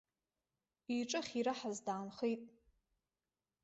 Иҿы ахьираҳаз даанхеит.